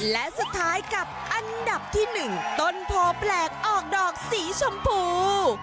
และสุดท้ายกับอันดับที่๑ต้นโพแปลกออกดอกสีชมพู